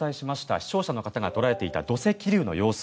視聴者の方が捉えていた土石流の様子。